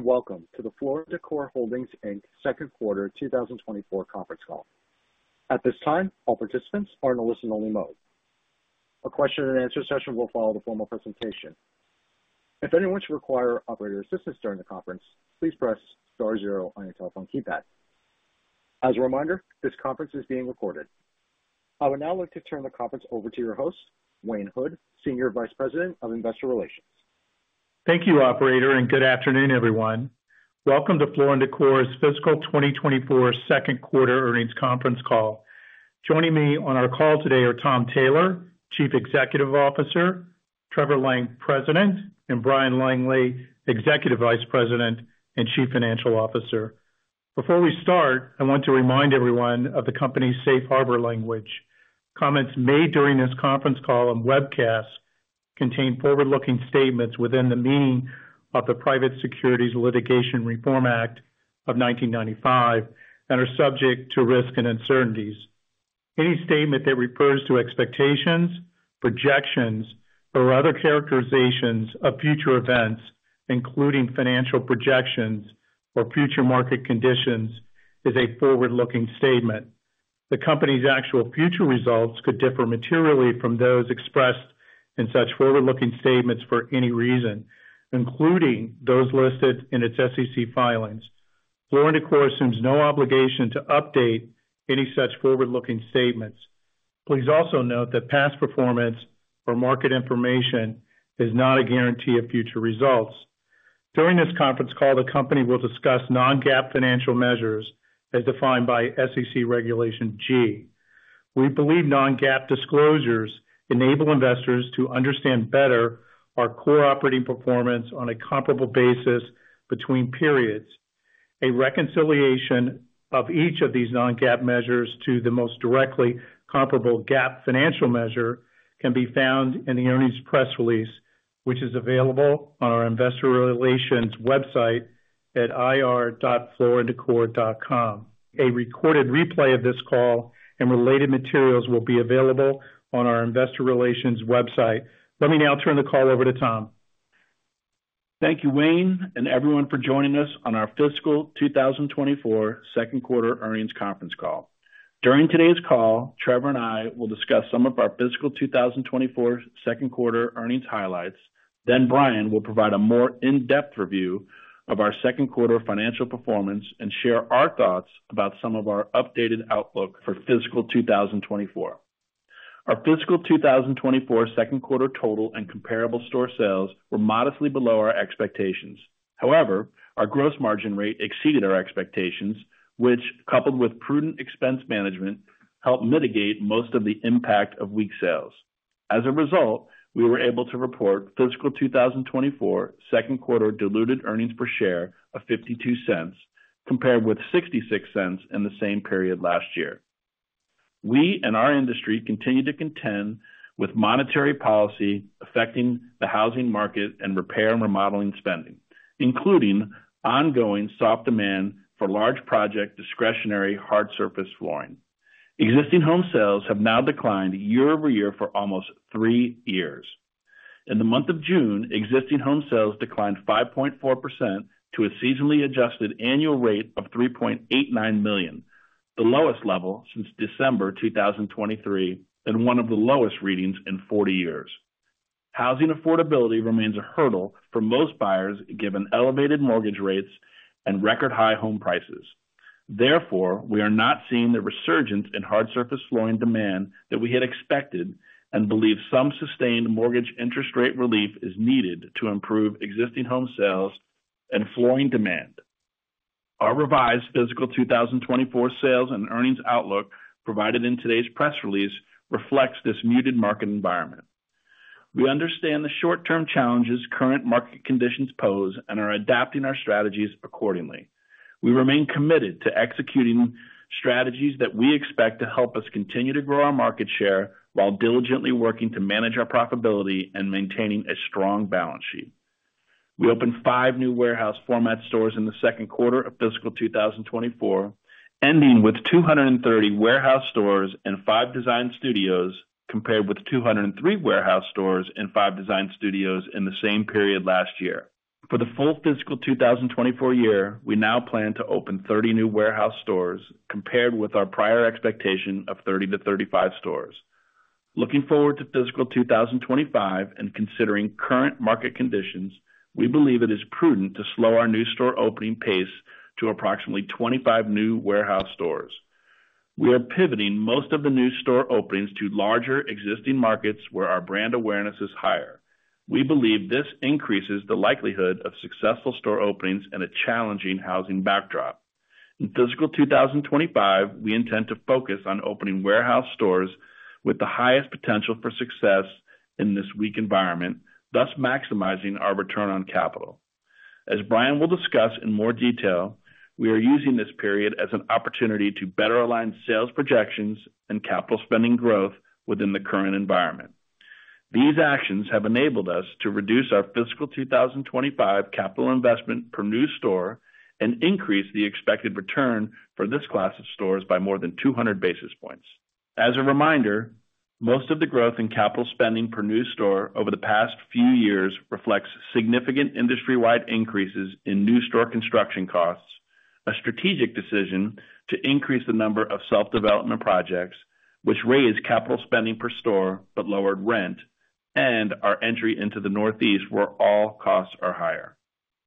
Welcome to the Floor & Decor Holdings, Inc second quarter 2024 conference call. At this time, all participants are in a listen-only mode. A question and answer session will follow the formal presentation. If anyone should require operator assistance during the conference, please press star zero on your telephone keypad. As a reminder, this conference is being recorded. I would now like to turn the conference over to your host, Wayne Hood, Senior Vice President of Investor Relations. Thank you, operator, and good afternoon, everyone. Welcome to Floor & Decor's fiscal 2024 second quarter earnings conference call. Joining me on our call today are Tom Taylor, Chief Executive Officer, Trevor Lang, President, and Bryan Langley, Executive Vice President and Chief Financial Officer. Before we start, I want to remind everyone of the company's Safe Harbor language. Comments made during this conference call and webcast contain forward-looking statements within the meaning of the Private Securities Litigation Reform Act of 1995 and are subject to risk and uncertainties. Any statement that refers to expectations, projections, or other characterizations of future events, including financial projections or future market conditions, is a forward-looking statement. The company's actual future results could differ materially from those expressed in such forward-looking statements for any reason, including those listed in its SEC filings. Floor & Decor assumes no obligation to update any such forward-looking statements. Please also note that past performance or market information is not a guarantee of future results. During this conference call, the company will discuss non-GAAP financial measures as defined by SEC Regulation G. We believe non-GAAP disclosures enable investors to understand better our core operating performance on a comparable basis between periods. A reconciliation of each of these non-GAAP measures to the most directly comparable GAAP financial measure can be found in the earnings press release, which is available on our Investor Relations website at ir.flooranddecor.com. A recorded replay of this call and related materials will be available on our investor relations website. Let me now turn the call over to Tom. Thank you, Wayne, and everyone for joining us on our fiscal 2024 second quarter earnings conference call. During today's call, Trevor and I will discuss some of our fiscal 2024 second quarter earnings highlights. Then Bryan will provide a more in-depth review of our second quarter financial performance and share our thoughts about some of our updated outlook for fiscal 2024. Our fiscal 2024 second quarter total and comparable store sales were modestly below our expectations. However, our gross margin rate exceeded our expectations, which, coupled with prudent expense management, helped mitigate most of the impact of weak sales. As a result, we were able to report fiscal 2024 second quarter diluted earnings per share of $0.52, compared with $0.66 in the same period last year. We and our industry continue to contend with monetary policy affecting the housing market and repair and remodeling spending, including ongoing soft demand for large project, discretionary, hard surface flooring. Existing home sales have now declined year-over-year for almost three years. In the month of June, existing home sales declined 5.4% to a seasonally adjusted annual rate of 3.89 million, the lowest level since December 2023 and one of the lowest readings in 40 years. Housing affordability remains a hurdle for most buyers, given elevated mortgage rates and record high home prices. Therefore, we are not seeing the resurgence in hard surface flooring demand that we had expected and believe some sustained mortgage interest rate relief is needed to improve existing home sales and flooring demand. Our revised fiscal 2024 sales and earnings outlook, provided in today's press release, reflects this muted market environment. We understand the short-term challenges current market conditions pose and are adapting our strategies accordingly. We remain committed to executing strategies that we expect to help us continue to grow our market share, while diligently working to manage our profitability and maintaining a strong balance sheet. We opened five new warehouse format stores in the second quarter of fiscal 2024, ending with 230 warehouse stores and five design studios, compared with 203 warehouse stores and five design studios in the same period last year. For the full fiscal 2024 year, we now plan to open 30 new warehouse stores, compared with our prior expectation of 30-35 stores. Looking forward to fiscal 2025 and considering current market conditions, we believe it is prudent to slow our new store opening pace to approximately 25 new warehouse stores. We are pivoting most of the new store openings to larger existing markets where our brand awareness is higher. We believe this increases the likelihood of successful store openings in a challenging housing backdrop. In fiscal 2025, we intend to focus on opening warehouse stores with the highest potential for success in this weak environment, thus maximizing our return on capital. As Bryan will discuss in more detail, we are using this period as an opportunity to better align sales projections and capital spending growth within the current environment. These actions have enabled us to reduce our fiscal 2025 capital investment per new store and increase the expected return for this class of stores by more than 200 basis points. Most of the growth in capital spending per new store over the past few years reflects significant industry-wide increases in new store construction costs, a strategic decision to increase the number of self-development projects, which raised capital spending per store, but lowered rent, and our entry into the Northeast, where all costs are higher.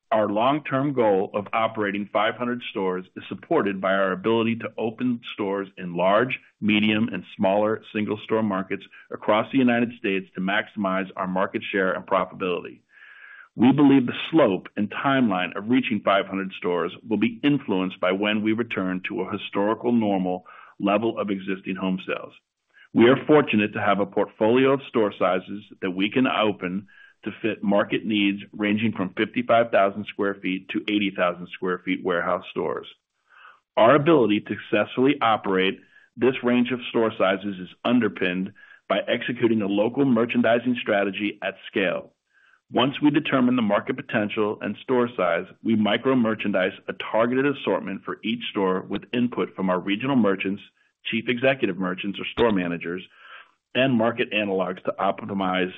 Our long-term goal of operating 500 stores is supported by our ability to open stores in large, medium, and smaller single-store markets across the United States to maximize our market share and profitability. We believe the slope and timeline of reaching 500 stores will be influenced by when we return to a historical normal level of existing home sales. We are fortunate to have a portfolio of store sizes that we can open to fit market needs, ranging from 55,000 sq ft-80,000 sq ft warehouse stores. Our ability to successfully operate this range of store sizes is underpinned by executing a local merchandising strategy at scale. Once we determine the market potential and store size, we micro-merchandise a targeted assortment for each store with input from our regional merchants, chief executive merchants or store managers, and market analogs to optimize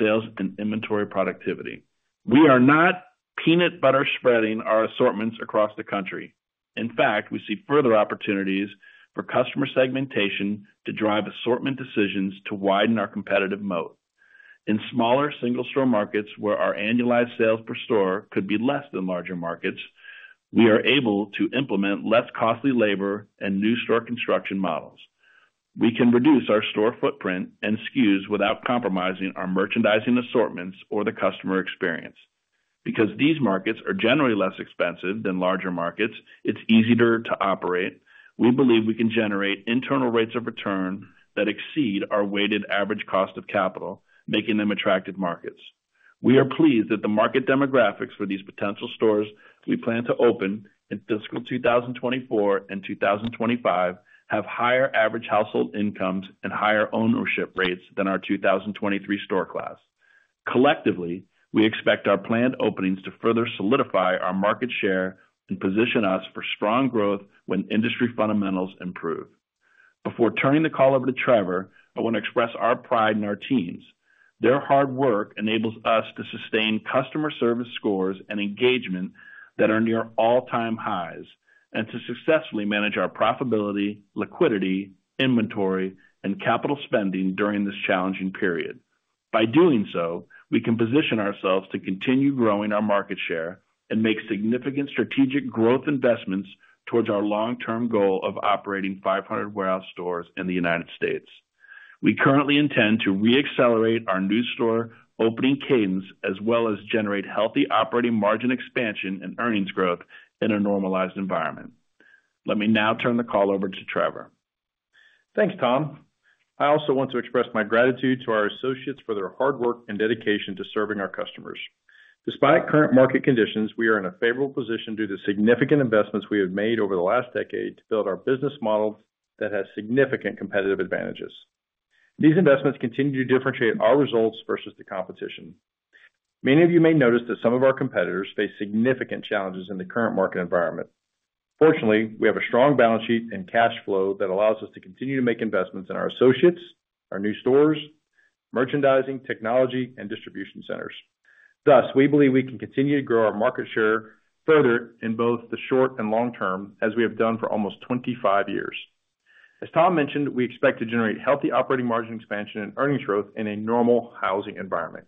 sales and inventory productivity. We are not peanut butter spreading our assortments across the country. In fact, we see further opportunities for customer segmentation to drive assortment decisions to widen our competitive moat. In smaller single-store markets, where our annualized sales per store could be less than larger markets, we are able to implement less costly labor and new store construction models. We can reduce our store footprint and SKUs without compromising our merchandising assortments or the customer experience. Because these markets are generally less expensive than larger markets, it's easier to operate. We believe we can generate internal rates of return that exceed our weighted average cost of capital, making them attractive markets. We are pleased that the market demographics for these potential stores we plan to open in fiscal 2024 and 2025, have higher average household incomes and higher ownership rates than our 2023 store class. Collectively, we expect our planned openings to further solidify our market share and position us for strong growth when industry fundamentals improve. Before turning the call over to Trevor, I want to express our pride in our teams. Their hard work enables us to sustain customer service scores and engagement that are near all-time highs, and to successfully manage our profitability, liquidity, inventory, and capital spending during this challenging period. By doing so, we can position ourselves to continue growing our market share and make significant strategic growth investments towards our long-term goal of operating 500 warehouse stores in the United States. We currently intend to re-accelerate our new store opening cadence, as well as generate healthy operating margin expansion and earnings growth in a normalized environment. Let me now turn the call over to Trevor. Thanks, Tom. I also want to express my gratitude to our associates for their hard work and dedication to serving our customers. Despite current market conditions, we are in a favorable position due to significant investments we have made over the last decade to build our business model that has significant competitive advantages. These investments continue to differentiate our results versus the competition. Many of you may notice that some of our competitors face significant challenges in the current market environment. Fortunately, we have a strong balance sheet and cash flow that allows us to continue to make investments in our associates, our new stores, merchandising, technology, and distribution centers. Thus, we believe we can continue to grow our market share further in both the short and long term, as we have done for almost 25 years. As Tom mentioned, we expect to generate healthy operating margin expansion and earnings growth in a normal housing environment.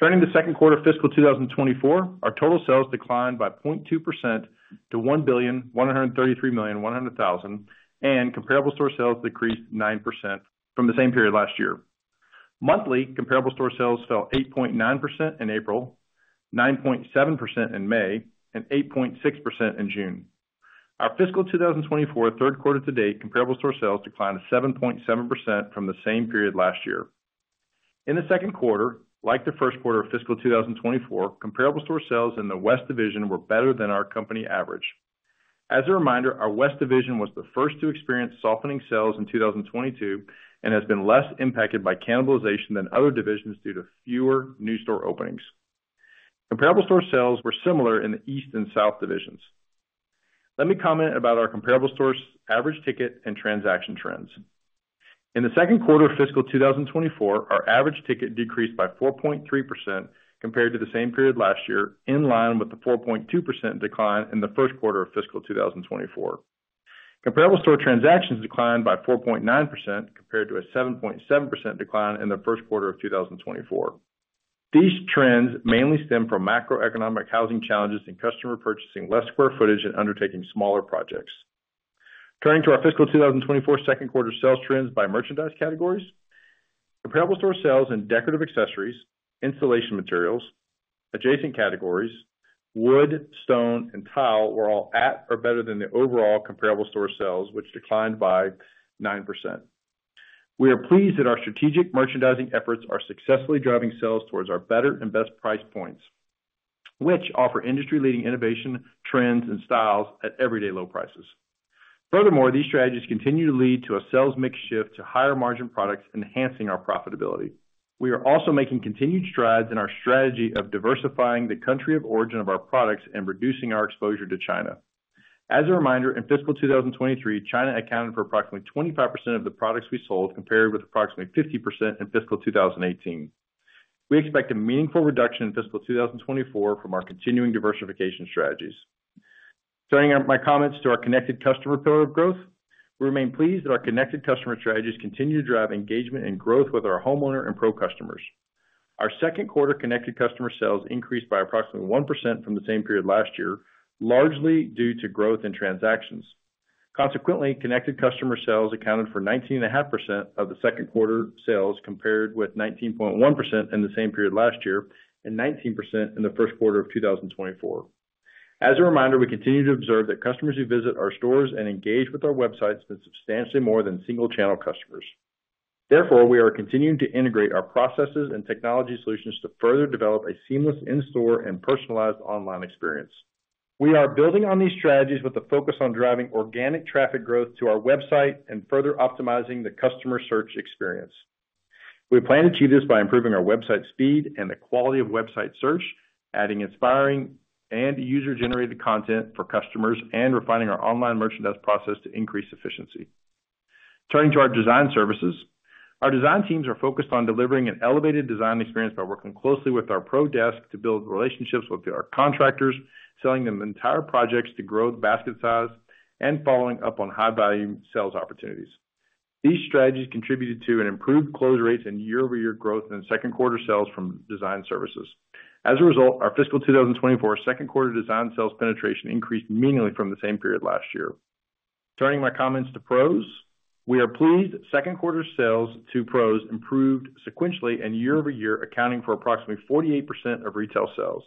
Turning to second quarter fiscal 2024, our total sales declined by 0.2% to $1,133.1 million, and comparable store sales decreased 9% from the same period last year. Monthly, comparable store sales fell 8.9% in April, 9.7% in May, and 8.6% in June. Our fiscal 2024 third quarter to date, comparable store sales declined to 7.7% from the same period last year. In the second quarter, like the first quarter of fiscal 2024, comparable store sales in the West Division were better than our company average. As a reminder, our West Division was the first to experience softening sales in 2022, and has been less impacted by cannibalization than other divisions due to fewer new store openings. Comparable store sales were similar in the East and South divisions. Let me comment about our comparable stores average ticket and transaction trends. In the second quarter of fiscal 2024, our average ticket decreased by 4.3% compared to the same period last year, in line with the 4.2% decline in the first quarter of fiscal 2024. Comparable store transactions declined by 4.9% compared to a 7.7% decline in the first quarter of 2024. These trends mainly stem from macroeconomic housing challenges and customer purchasing less square footage and undertaking smaller projects. Turning to our fiscal 2024 second quarter sales trends by merchandise categories. Comparable store sales and decorative accessories, installation materials, adjacent categories, wood, stone, and tile were all at or better than the overall comparable store sales, which declined by 9%. We are pleased that our strategic merchandising efforts are successfully driving sales towards our better and best price points, which offer industry-leading innovation, trends, and styles at everyday low prices. Furthermore, these strategies continue to lead to a sales mix shift to higher-margin products, enhancing our profitability. We are also making continued strides in our strategy of diversifying the country of origin of our products and reducing our exposure to China....As a reminder, in fiscal 2023, China accounted for approximately 25% of the products we sold, compared with approximately 50% in fiscal 2018. We expect a meaningful reduction in fiscal 2024 from our continuing diversification strategies. Turning up my comments to our connected customer pillar of growth, we remain pleased that our connected customer strategies continue to drive engagement and growth with our homeowner and pro customers. Our second quarter connected customer sales increased by approximately 1% from the same period last year, largely due to growth in transactions. Consequently, connected customer sales accounted for 19.5% of the second quarter sales, compared with 19.1% in the same period last year, and 19% in the first quarter of 2024. As a reminder, we continue to observe that customers who visit our stores and engage with our websites spend substantially more than single channel customers. Therefore, we are continuing to integrate our processes and technology solutions to further develop a seamless in-store and personalized online experience. We are building on these strategies with a focus on driving organic traffic growth to our website and further optimizing the customer search experience. We plan to achieve this by improving our website speed and the quality of website search, adding inspiring and user-generated content for customers, and refining our online merchandise process to increase efficiency. Turning to our design services. Our design teams are focused on delivering an elevated design experience by working closely with our pro desk to build relationships with our contractors, selling them entire projects to grow the basket size, and following up on high volume sales opportunities. These strategies contributed to an improved close rates and year-over-year growth in second quarter sales from design services. As a result, our fiscal 2024 second quarter design sales penetration increased meaningfully from the same period last year. Turning my comments to pros, we are pleased second quarter sales to pros improved sequentially and year-over-year, accounting for approximately 48% of retail sales.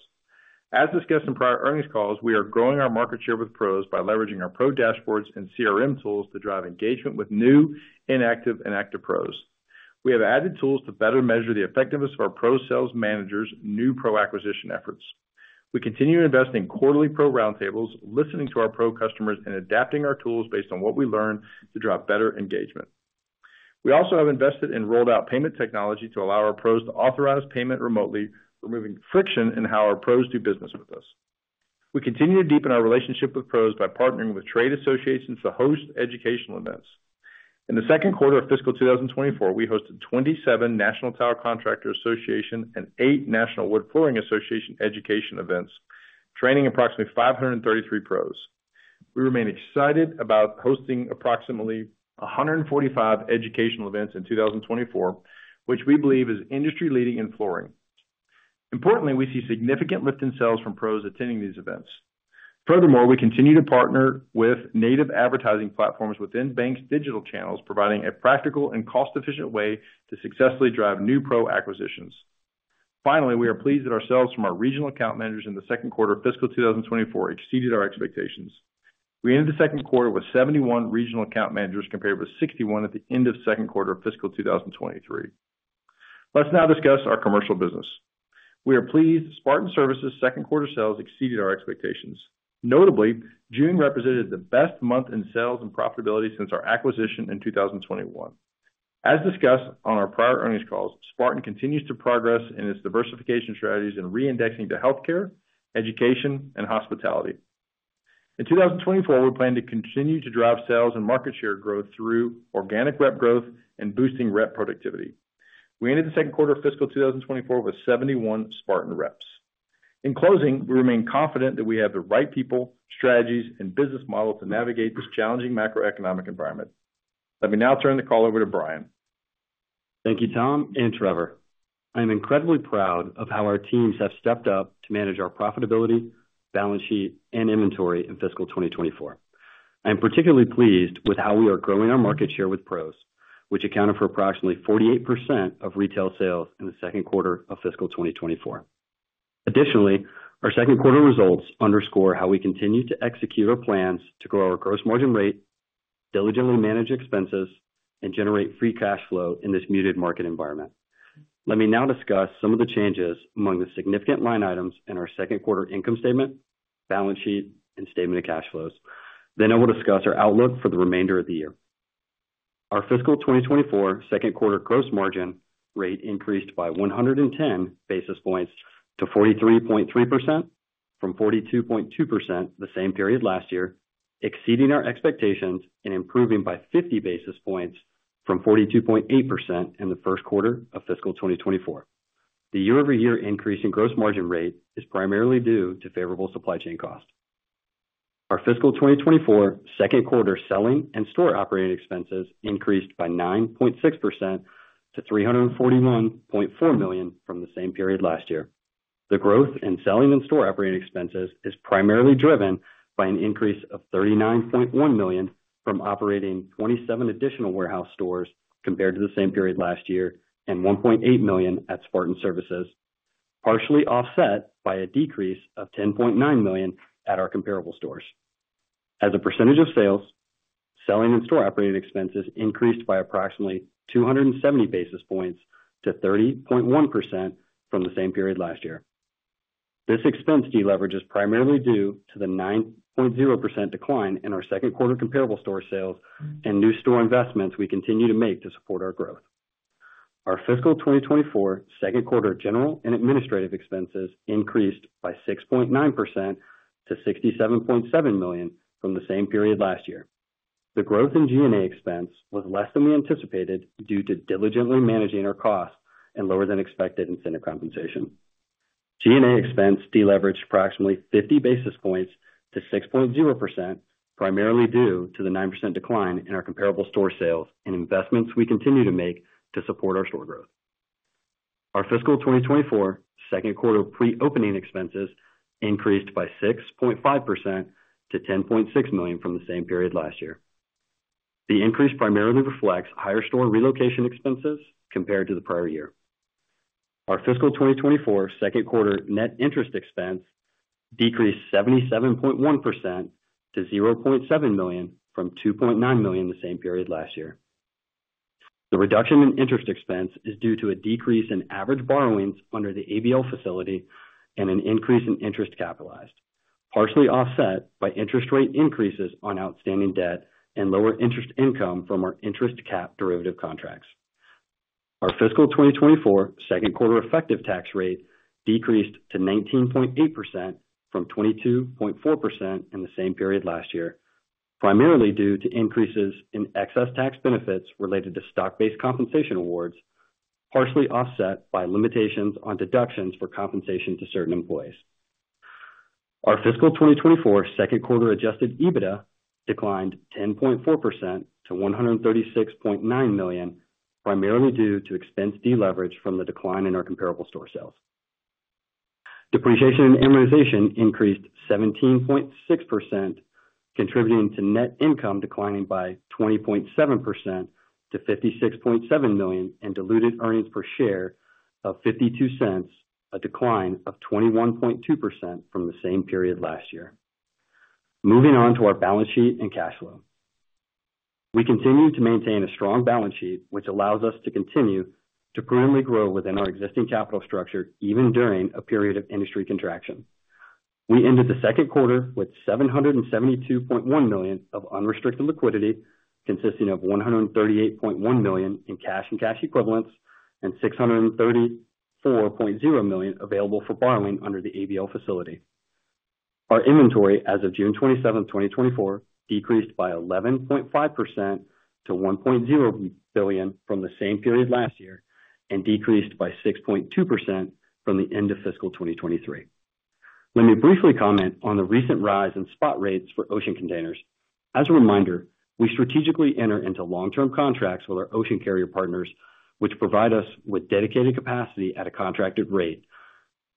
As discussed in prior earnings calls, we are growing our market share with pros by leveraging our pro dashboards and CRM tools to drive engagement with new, inactive, and active pros. We have added tools to better measure the effectiveness of our pro sales managers' new pro acquisition efforts. We continue to invest in quarterly pro roundtables, listening to our pro customers and adapting our tools based on what we learn to drive better engagement. We also have invested in rolled out payment technology to allow our pros to authorize payment remotely, removing friction in how our pros do business with us. We continue to deepen our relationship with pros by partnering with trade associations to host educational events. In the second quarter of fiscal 2024, we hosted 27 National Tile Contractors Association and eight National Wood Flooring Association education events, training approximately 533 pros. We remain excited about hosting approximately 145 educational events in 2024, which we believe is industry-leading in flooring. Importantly, we see significant lift in sales from pros attending these events. Furthermore, we continue to partner with native advertising platforms within banks' digital channels, providing a practical and cost-efficient way to successfully drive new pro acquisitions. Finally, we are pleased that our sales from our regional account managers in the second quarter of fiscal 2024 exceeded our expectations. We ended the second quarter with 71 regional account managers, compared with 61 at the end of second quarter of fiscal 2023. Let's now discuss our commercial business. We are pleased Spartan Surfaces' second quarter sales exceeded our expectations. Notably, June represented the best month in sales and profitability since our acquisition in 2021. As discussed on our prior earnings calls, Spartan continues to progress in its diversification strategies and reindexing to healthcare, education, and hospitality. In 2024, we plan to continue to drive sales and market share growth through organic rep growth and boosting rep productivity. We ended the second quarter of fiscal 2024 with 71 Spartan reps. In closing, we remain confident that we have the right people, strategies, and business model to navigate this challenging macroeconomic environment. Let me now turn the call over to Bryan. Thank you, Tom and Trevor. I am incredibly proud of how our teams have stepped up to manage our profitability, balance sheet, and inventory in fiscal 2024. I am particularly pleased with how we are growing our market share with pros, which accounted for approximately 48% of retail sales in the second quarter of fiscal 2024. Additionally, our second quarter results underscore how we continue to execute our plans to grow our gross margin rate, diligently manage expenses, and generate free cash flow in this muted market environment. Let me now discuss some of the changes among the significant line items in our second quarter income statement, balance sheet, and statement of cash flows. Then I will discuss our outlook for the remainder of the year. Our fiscal 2024 second quarter gross margin rate increased by 110 basis points to 43.3% from 42.2% the same period last year, exceeding our expectations and improving by 50 basis points from 42.8% in the first quarter of fiscal 2024. The year-over-year increase in gross margin rate is primarily due to favorable supply chain costs. Our fiscal 2024 second quarter selling and store operating expenses increased by 9.6% to $341.4 million from the same period last year. The growth in selling and store operating expenses is primarily driven by an increase of $39.1 million from operating 27 additional warehouse stores compared to the same period last year, and $1.8 million at Spartan Surfaces, partially offset by a decrease of $10.9 million at our comparable stores. As a percentage of sales, selling and store operating expenses increased by approximately 270 basis points to 30.1% from the same period last year. This expense deleverage is primarily due to the 9.0% decline in our second quarter comparable store sales and new store investments we continue to make to support our growth.... Our fiscal 2024 second quarter general and administrative expenses increased by 6.9% to $67.7 million from the same period last year. The growth in G&A expense was less than we anticipated due to diligently managing our costs and lower than expected incentive compensation. G&A expense deleveraged approximately 50 basis points to 6.0%, primarily due to the 9% decline in our comparable store sales and investments we continue to make to support our store growth. Our fiscal 2024 second quarter pre-opening expenses increased by 6.5% to $10.6 million from the same period last year. The increase primarily reflects higher store relocation expenses compared to the prior year. Our fiscal 2024 second quarter net interest expense decreased 77.1% to $0.7 million, from $2.9 million the same period last year. The reduction in interest expense is due to a decrease in average borrowings under the ABL facility and an increase in interest capitalized, partially offset by interest rate increases on outstanding debt and lower interest income from our interest cap derivative contracts. Our fiscal 2024 second quarter effective tax rate decreased to 19.8% from 22.4% in the same period last year, primarily due to increases in excess tax benefits related to stock-based compensation awards, partially offset by limitations on deductions for compensation to certain employees. Our fiscal 2024 second quarter adjusted EBITDA declined 10.4% to $136.9 million, primarily due to expense deleverage from the decline in our comparable store sales. Depreciation and amortization increased 17.6%, contributing to net income declining by 20.7% to $56.7 million, and diluted earnings per share of $0.52, a decline of 21.2% from the same period last year. Moving on to our balance sheet and cash flow. We continue to maintain a strong balance sheet, which allows us to continue to prudently grow within our existing capital structure, even during a period of industry contraction. We ended the second quarter with $772.1 million of unrestricted liquidity, consisting of $138.1 million in cash and cash equivalents, and $634.0 million available for borrowing under the ABL facility. Our inventory as of June 27, 2024, decreased by 11.5% to $1.0 billion from the same period last year, and decreased by 6.2% from the end of fiscal 2023. Let me briefly comment on the recent rise in spot rates for ocean containers. As a reminder, we strategically enter into long-term contracts with our ocean carrier partners, which provide us with dedicated capacity at a contracted rate,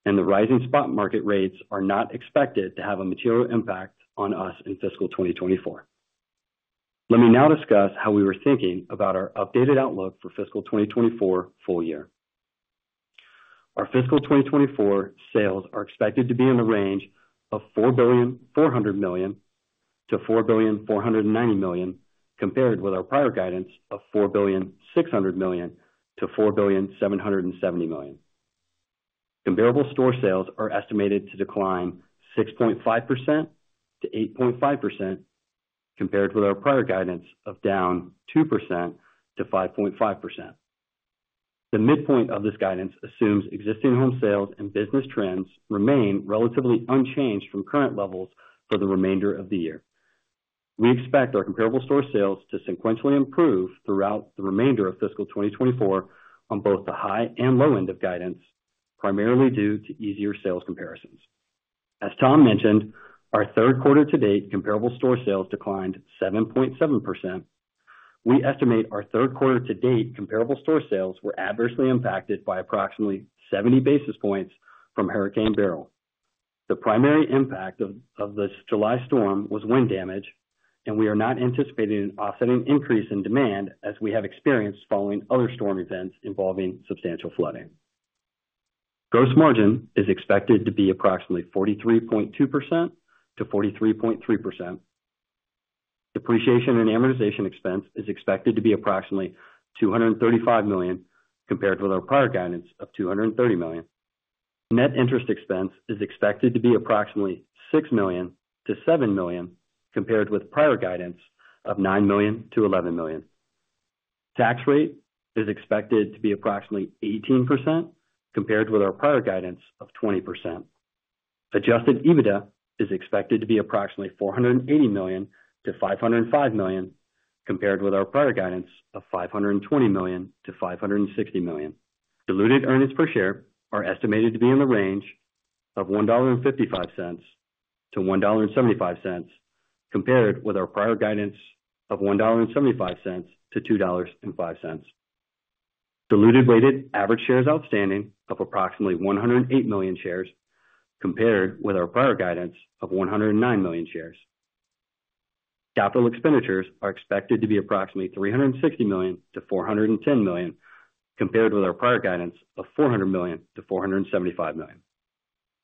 and the rising spot market rates are not expected to have a material impact on us in fiscal 2024. Let me now discuss how we were thinking about our updated outlook for fiscal 2024 full year. Our fiscal 2024 sales are expected to be in the range of $4.4 billion-$4.49 billion, compared with our prior guidance of $4.6 billion-$4.77 billion. Comparable store sales are estimated to decline 6.5%-8.5%, compared with our prior guidance of down 2%-5.5%. The midpoint of this guidance assumes existing home sales and business trends remain relatively unchanged from current levels for the remainder of the year. We expect our comparable store sales to sequentially improve throughout the remainder of fiscal 2024 on both the high and low end of guidance, primarily due to easier sales comparisons. As Tom mentioned, our third quarter to date, comparable store sales declined 7.7%. We estimate our third quarter to date comparable store sales were adversely impacted by approximately 70 basis points from Hurricane Beryl. The primary impact of this July storm was wind damage, and we are not anticipating an offsetting increase in demand, as we have experienced following other storm events involving substantial flooding. Gross margin is expected to be approximately 43.2%-43.3%. Depreciation and amortization expense is expected to be approximately $235 million, compared with our prior guidance of $230 million. Net interest expense is expected to be approximately $6 million-$7 million, compared with prior guidance of $9 million-$11 million. Tax rate is expected to be approximately 18%, compared with our prior guidance of 20%. Adjusted EBITDA is expected to be approximately $480 million-$505 million, compared with our prior guidance of $520 million-$560 million. Diluted earnings per share are estimated to be in the range of $1.55-$1.75, compared with our prior guidance of $1.75-$2.05. Diluted weighted average shares outstanding of approximately 108 million shares, compared with our prior guidance of 109 million shares. Capital expenditures are expected to be approximately $360 million-$410 million, compared with our prior guidance of $400 million-$475 million.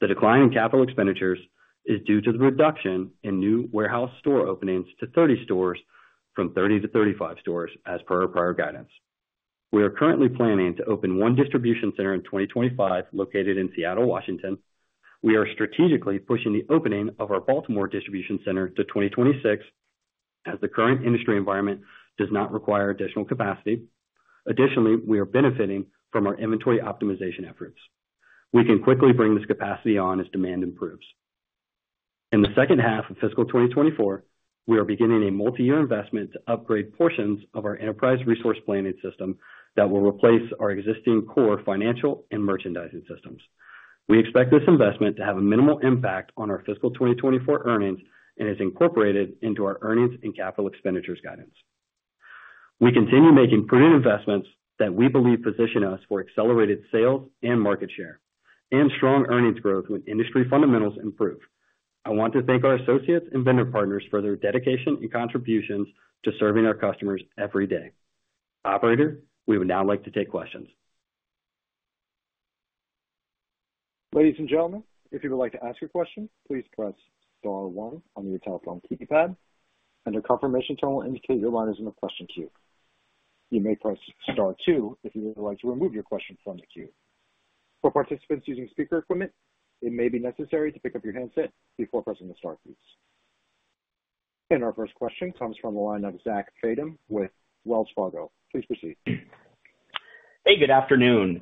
The decline in capital expenditures is due to the reduction in new warehouse store openings to 30 stores, from 30-35 stores, as per our prior guidance. We are currently planning to open one distribution center in 2025, located in Seattle, Washington. We are strategically pushing the opening of our Baltimore distribution center to 2026, as the current industry environment does not require additional capacity. Additionally, we are benefiting from our inventory optimization efforts. We can quickly bring this capacity on as demand improves. In the second half of fiscal 2024, we are beginning a multi-year investment to upgrade portions of our enterprise resource planning system that will replace our existing core financial and merchandising systems. We expect this investment to have a minimal impact on our fiscal 2024 earnings and is incorporated into our earnings and capital expenditures guidance. We continue making prudent investments that we believe position us for accelerated sales and market share, and strong earnings growth when industry fundamentals improve. I want to thank our associates and vendor partners for their dedication and contributions to serving our customers every day. Operator, we would now like to take questions. Ladies and gentlemen, if you would like to ask a question, please press star one on your telephone keypad, and a confirmation tone will indicate your line is in the question queue. You may press star two if you would like to remove your question from the queue. For participants using speaker equipment, it may be necessary to pick up your handset before pressing the star keys. Our first question comes from the line of Zach Fadem with Wells Fargo. Please proceed. Hey, good afternoon.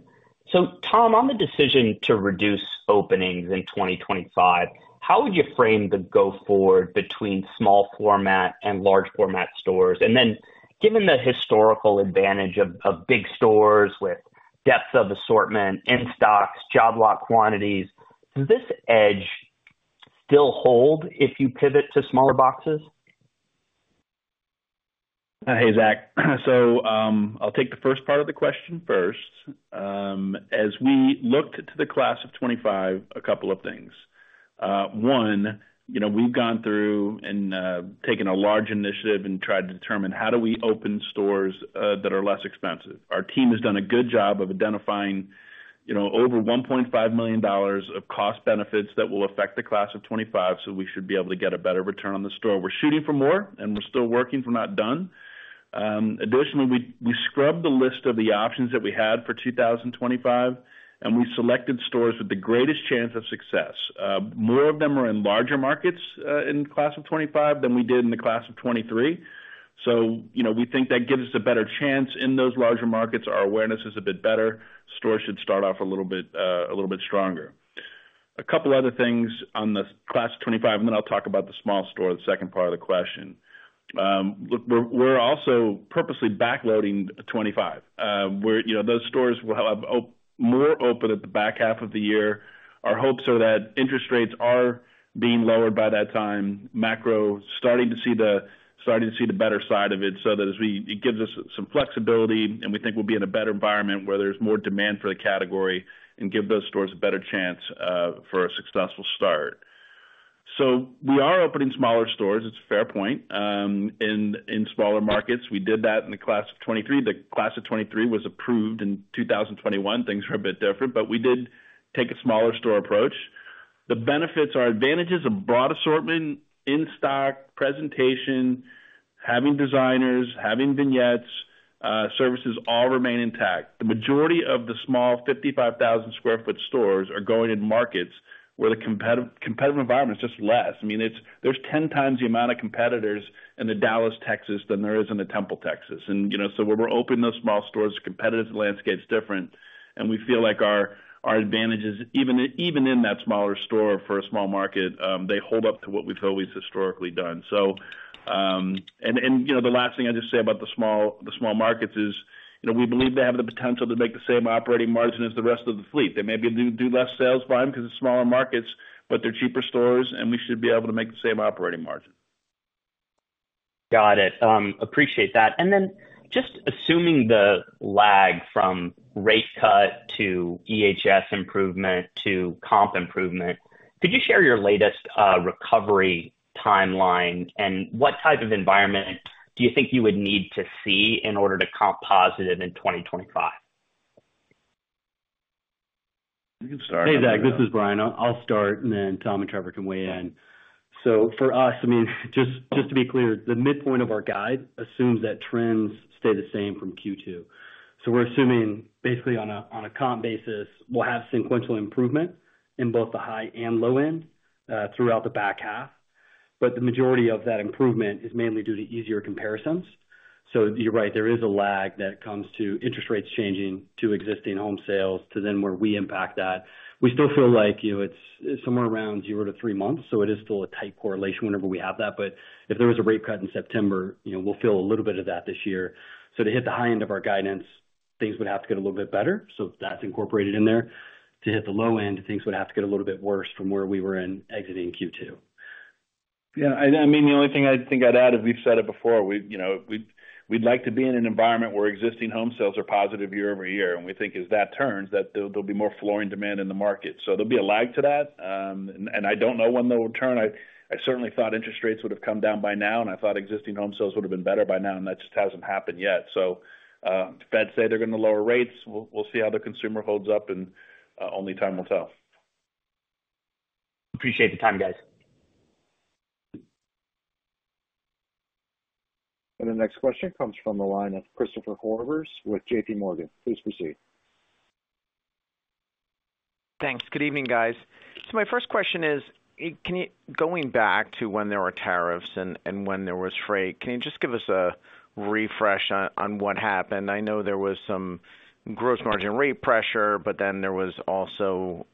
So Tom, on the decision to reduce openings in 2025, how would you frame the go forward between small format and large format stores? And then, given the historical advantage of big stores with depth of assortment, in-stocks, job lot quantities, does this edge still hold if you pivot to smaller boxes? Hey, Zach. So, I'll take the first part of the question first. As we looked to the Class of 2025, a couple of things. One, you know, we've gone through and taken a large initiative and tried to determine how do we open stores that are less expensive. Our team has done a good job of identifying, you know, over $1.5 million of cost benefits that will affect the Class of 2025, so we should be able to get a better return on the store. We're shooting for more, and we're still working. We're not done. Additionally, we scrubbed the list of the options that we had for 2025, and we selected stores with the greatest chance of success. More of them are in larger markets, in Class of 2025 than we did in the Class of 2023. So, you know, we think that gives us a better chance in those larger markets. Our awareness is a bit better. Stores should start off a little bit, a little bit stronger. A couple other things on the Class of 2025, and then I'll talk about the small store, the second part of the question. Look, we're also purposely backloading 2025. We're, you know, those stores will have more open at the back half of the year. Our hopes are that interest rates are being lowered by that time, macro starting to see the better side of it, so that as we... It gives us some flexibility, and we think we'll be in a better environment where there's more demand for the category and give those stores a better chance for a successful start. So we are opening smaller stores, it's a fair point, in smaller markets. We did that in the Class of 2023. The Class of 2023 was approved in 2021. Things were a bit different, but we did take a smaller store approach. The benefits, our advantages of broad assortment, in-stock, presentation, having designers, having vignettes, services, all remain intact. The majority of the small 55,000 sq ft stores are going in markets where the competitive environment is just less. I mean, it's. There's 10x the amount of competitors in Dallas, Texas, than there is in Temple, Texas. You know, so when we're opening those small stores, the competitive landscape is different, and we feel like our, our advantages, even, even in that smaller store for a small market, they hold up to what we've always historically done. So, and, and, you know, the last thing I'll just say about the small, the small markets is, you know, we believe they have the potential to make the same operating margin as the rest of the fleet. They maybe do, do less sales volume because it's smaller markets, but they're cheaper stores, and we should be able to make the same operating margin. Got it. Appreciate that. And then just assuming the lag from rate cut to EHS improvement to comp improvement, could you share your latest recovery timeline, and what type of environment do you think you would need to see in order to comp positive in 2025? You can start. Hey, Zach, this is Bryan. I'll, I'll start, and then Tom and Trevor can weigh in. So for us, I mean, just, just to be clear, the midpoint of our guide assumes that trends stay the same from Q2. So we're assuming basically on a comp basis, we'll have sequential improvement in both the high and low end, throughout the back half, but the majority of that improvement is mainly due to easier comparisons. So you're right, there is a lag that comes to interest rates changing, to existing home sales, to then where we impact that. We still feel like, you know, it's somewhere around zero to three months, so it is still a tight correlation whenever we have that. But if there was a rate cut in September, you know, we'll feel a little bit of that this year. To hit the high end of our guidance, things would have to get a little bit better, so that's incorporated in there. To hit the low end, things would have to get a little bit worse from where we were in exiting Q2. Yeah, I mean, the only thing I think I'd add, as we've said it before, we, you know, we'd like to be in an environment where existing home sales are positive year over year, and we think as that turns, that'll be more flooring demand in the market. So there'll be a lag to that, and I don't know when that will turn. I certainly thought interest rates would have come down by now, and I thought existing home sales would have been better by now, and that just hasn't happened yet. So the Feds say they're gonna lower rates. We'll see how the consumer holds up, and only time will tell. Appreciate the time, guys. The next question comes from the line of Christopher Horvers with JPMorgan. Please proceed. Thanks. Good evening, guys. So my first question is, can you—going back to when there were tariffs and when there was freight—can you just give us a refresh on what happened? I know there was some gross margin rate pressure, but then there was also,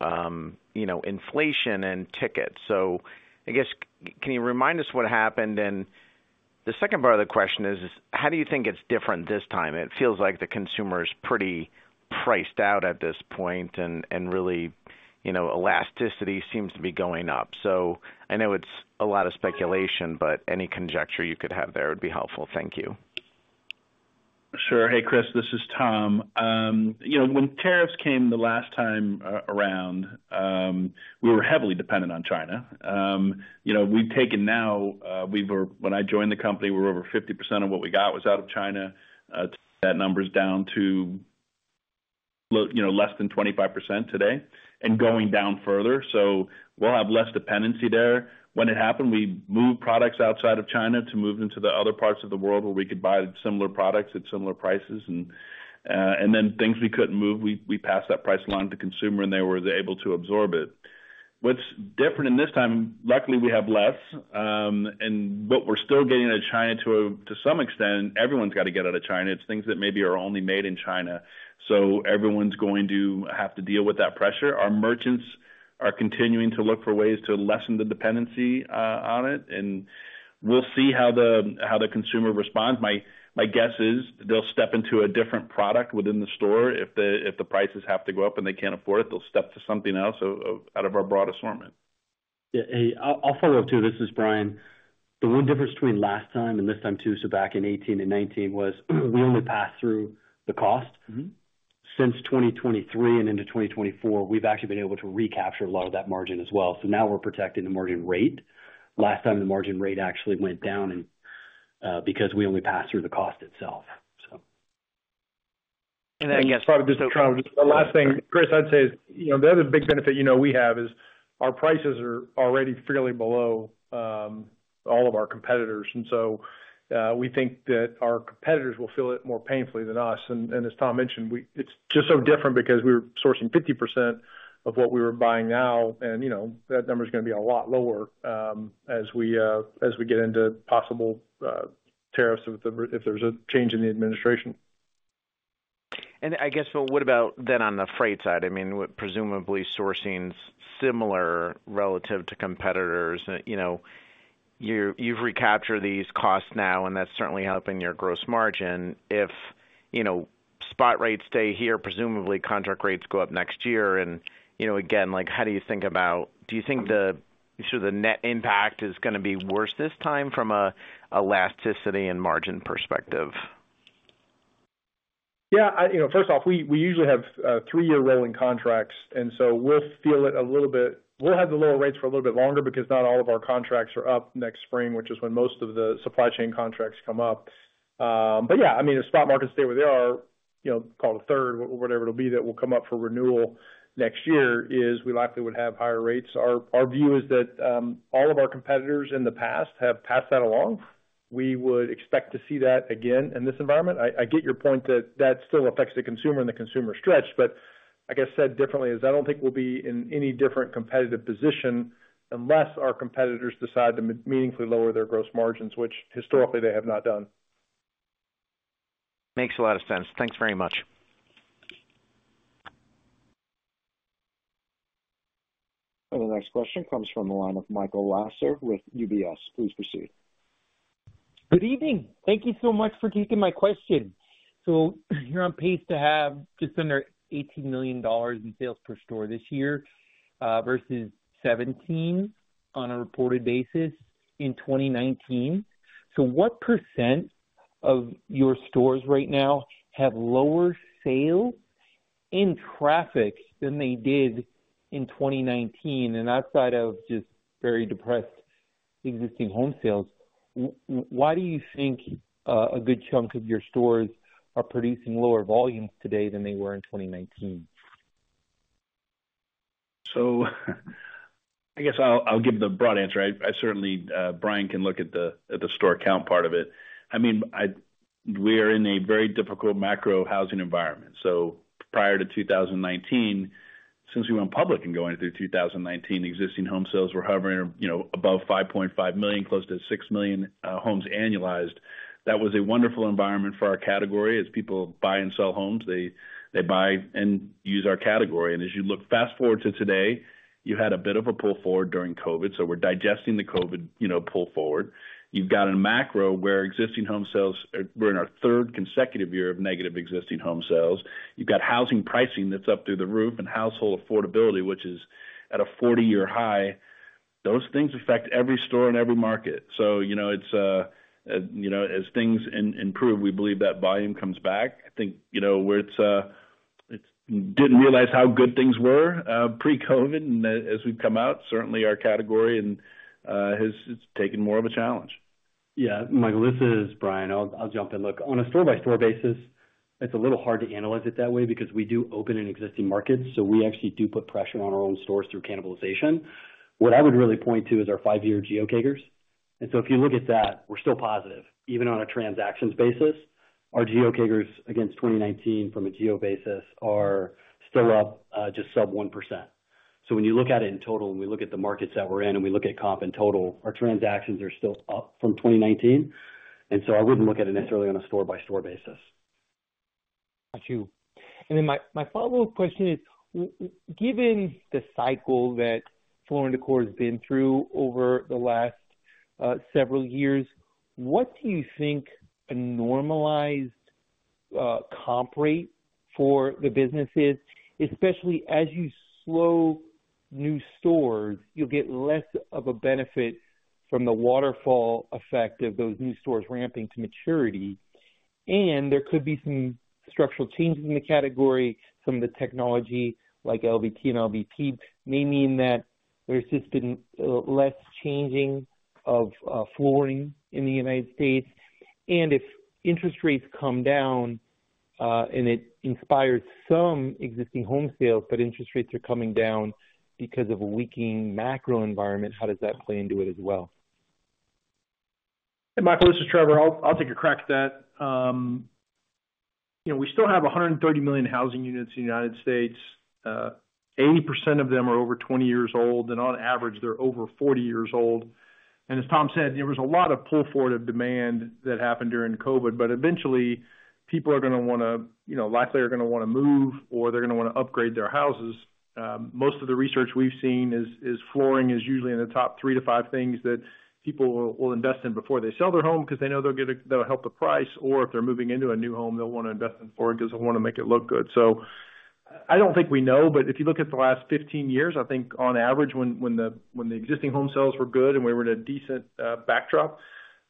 you know, inflation and tickets. So I guess, can you remind us what happened? And the second part of the question is: How do you think it's different this time? It feels like the consumer is pretty priced out at this point, and really, you know, elasticity seems to be going up. So I know it's a lot of speculation, but any conjecture you could have there would be helpful. Thank you. Sure. Hey, Chris, this is Tom. You know, when tariffs came the last time around, we were heavily dependent on China. You know, when I joined the company, we were over 50% of what we got was out of China. That number is down to, you know, less than 25% today and going down further, so we'll have less dependency there. When it happened, we moved products outside of China to move them to the other parts of the world where we could buy similar products at similar prices. And then things we couldn't move, we passed that price along to consumer, and they were able to absorb it. What's different in this time, luckily, we have less, but we're still getting out of China to some extent. Everyone's got to get out of China. It's things that maybe are only made in China, so everyone's going to have to deal with that pressure. Our merchants are continuing to look for ways to lessen the dependency on it, and we'll see how the consumer responds. My, my guess is they'll step into a different product within the store. If the prices have to go up and they can't afford it, they'll step to something else out of our broad assortment. Yeah, I'll follow up, too. This is Bryan. The one difference between last time and this time, too, so back in 2018 and 2019, was we only passed through the cost . Since 2023 and into 2024, we've actually been able to recapture a lot of that margin as well. So now we're protecting the margin rate. Last time, the margin rate actually went down and, because we only passed through the cost itself, so. Probably just the last thing, Chris, I'd say is, you know, the other big benefit, you know, we have is our prices are already fairly below all of our competitors. And so, we think that our competitors will feel it more painfully than us. And as Tom mentioned, it's just so different because we were sourcing 50% of what we were buying now and, you know, that number is gonna be a lot lower, as we get into possible tariffs, if there's a change in the administration. I guess, well, what about then on the freight side? I mean, presumably sourcing similar relative to competitors. You know, you, you've recaptured these costs now, and that's certainly helping your gross margin. If, you know, spot rates stay here, presumably contract rates go up next year and, you know, again, like, how do you think about... Do you think the, sort of, the net impact is gonna be worse this time from a elasticity and margin perspective? Yeah, you know, first off, we usually have three-year rolling contracts, and so we'll feel it a little bit. We'll have the lower rates for a little bit longer because not all of our contracts are up next spring, which is when most of the supply chain contracts come up. But yeah, I mean, the spot markets stay where they are, you know, call it a third or whatever it'll be, that will come up for renewal next year, is we likely would have higher rates. Our view is that all of our competitors in the past have passed that along. We would expect to see that again in this environment. I get your point that still affects the consumer and the consumer stretch, but like I said differently, is I don't think we'll be in any different competitive position unless our competitors decide to meaningfully lower their gross margins, which historically they have not done. Makes a lot of sense. Thanks very much. The next question comes from the line of Michael Lasser with UBS. Please proceed. Good evening. Thank you so much for taking my question. So you're on pace to have just under $18 million in sales per store this year versus $17 million on a reported basis in 2019. So what percent of your stores right now have lower sales and traffic than they did in 2019? And outside of just very depressed existing home sales, why do you think a good chunk of your stores are producing lower volumes today than they were in 2019? So, I guess I'll give the broad answer. I certainly, Bryan can look at the store count part of it. I mean, we are in a very difficult macro housing environment. So prior to 2019, since we went public and going through 2019, existing home sales were hovering, you know, above 5.5 million, close to 6 million homes annualized. That was a wonderful environment for our category. As people buy and sell homes, they buy and use our category. And as you look fast-forward to today, you had a bit of a pull forward during COVID, so we're digesting the COVID, you know, pull forward. You've got a macro where existing home sales, we're in our third consecutive year of negative existing home sales. You've got housing pricing that's up through the roof and household affordability, which is at a 40-year high. Those things affect every store and every market. So, you know, it's, as things improve, we believe that volume comes back. I think, you know, where it's... Didn't realize how good things were, pre-COVID, and as we've come out, certainly our category and has taken more of a challenge. Yeah, Michael, this is Bryan. I'll jump in. Look, on a store-by-store basis, it's a little hard to analyze it that way because we do open in existing markets, so we actually do put pressure on our own stores through cannibalization. What I would really point to is our five-year geo categories. If you look at that, we're still positive. Even on a transactions basis, our geo comps against 2019 from a geo basis are still up, just sub 1%. So when you look at it in total, and we look at the markets that we're in, and we look at comp in total, our transactions are still up from 2019, and so I wouldn't look at it necessarily on a store-by-store basis. Got you. And then my follow-up question is: given the cycle that Floor & Decor has been through over the last several years, what do you think a normalized comp rate for the business is? Especially as you slow new stores, you'll get less of a benefit from the waterfall effect of those new stores ramping to maturity, and there could be some structural changes in the category. Some of the technology, like LVT and LVP, may mean that there's just been less changing of flooring in the United States. And if interest rates come down and it inspires some existing home sales, but interest rates are coming down because of a weakening macro environment, how does that play into it as well? Hey, Michael, this is Trevor. I'll take a crack at that. You know, we still have 130 million housing units in the United States. 80% of them are over 20 years old, and on average, they're over 40 years old. And as Tom said, there was a lot of pull forward of demand that happened during COVID, but eventually, people are gonna wanna, you know, likely are gonna wanna move or they're gonna wanna upgrade their houses. Most of the research we've seen is flooring is usually in the top three to five things that people will invest in before they sell their home, 'cause they know that'll help the price, or if they're moving into a new home, they'll wanna invest in flooring because they wanna make it look good. So I don't think we know, but if you look at the last 15 years, I think on average, when the existing home sales were good and we were at a decent backdrop,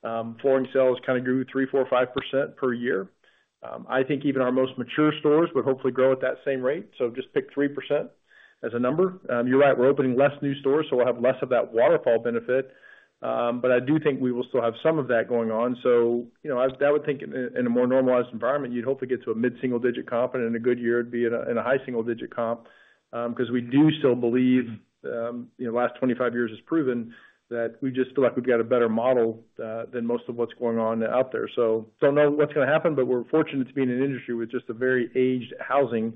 flooring sales kinda grew 3%, 4%, 5% per year. I think even our most mature stores would hopefully grow at that same rate, so just pick 3% as a number. You're right, we're opening less new stores, so we'll have less of that waterfall benefit, but I do think we will still have some of that going on. So, you know, I would think in, in a more normalized environment, you'd hopefully get to a mid-single-digit comp, and in a good year, it'd be at a, in a high single digit comp, 'cause we do still believe, you know, last 25 years has proven, that we just feel like we've got a better model, than most of what's going on out there. So, don't know what's gonna happen, but we're fortunate to be in an industry with just a very aged housing,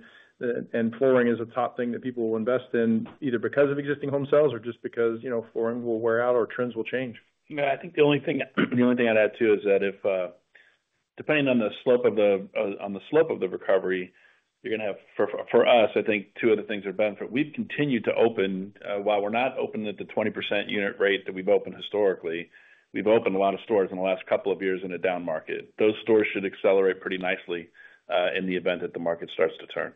and flooring is a top thing that people will invest in, either because of existing home sales or just because, you know, flooring will wear out or trends will change. Yeah, I think the only thing, the only thing I'd add, too, is that if, depending on the slope of the, on the slope of the recovery, you're gonna have, for, for us, I think two of the things are benefit. We've continued to open, while we're not open at the 20% unit rate that we've opened historically, we've opened a lot of stores in the last couple of years in a down market. Those stores should accelerate pretty nicely, in the event that the market starts to turn.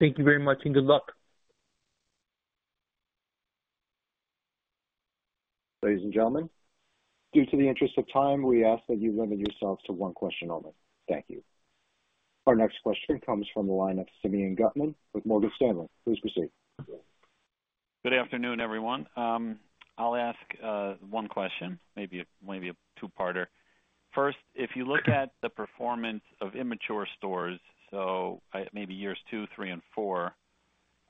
Thank you very much, and good luck. Ladies and gentlemen, due to the interest of time, we ask that you limit yourselves to one question only. Thank you. Our next question comes from the line of Simeon Gutman with Morgan Stanley. Please proceed. Good afternoon, everyone. I'll ask one question, maybe a two-parter. First, if you look at the performance of immature stores, maybe years two, three, and four,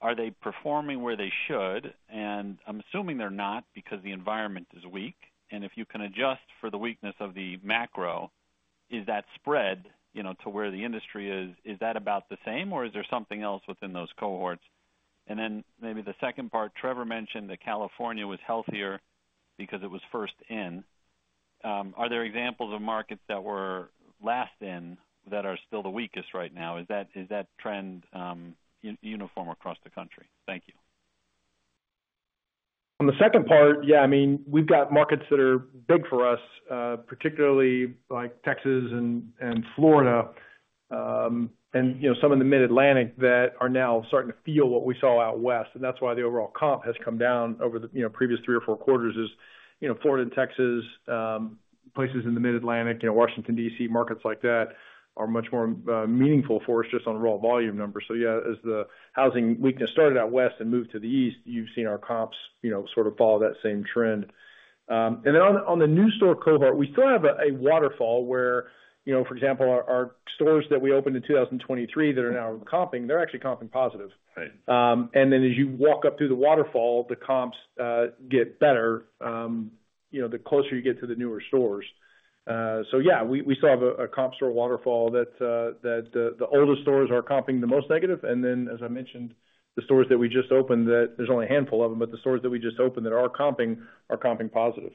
are they performing where they should? And I'm assuming they're not because the environment is weak. And if you can adjust for the weakness of the macro, is that spread, you know, to where the industry is, is that about the same, or is there something else within those cohorts? And then maybe the second part, Trevor mentioned that California was healthier because it was first in. Are there examples of markets that were last in that are still the weakest right now? Is that trend uniform across the country? Thank you. On the second part, yeah, I mean, we've got markets that are big for us, particularly like Texas and Florida, and, you know, some in the Mid-Atlantic, that are now starting to feel what we saw out West, and that's why the overall comp has come down over the, you know, previous three or four quarters is, you know, Florida and Texas, places in the Mid-Atlantic, you know, Washington, D.C., markets like that, are much more meaningful for us just on raw volume numbers. So yeah, as the housing weakness started out west and moved to the east, you've seen our comps, you know, sort of follow that same trend. And then on the new store cohort, we still have a waterfall where, you know, for example, our stores that we opened in 2023 that are now comping, they're actually comping positive. Right. And then as you walk up through the waterfall, the comps get better, you know, the closer you get to the newer stores. So yeah, we still have a comp store waterfall that the oldest stores are comping the most negative, and then, as I mentioned, the stores that we just opened, that there's only a handful of them, but the stores that we just opened that are comping are comping positive.